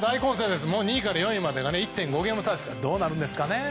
２位から４位までが１．５ゲーム差ですからどうなるんですか。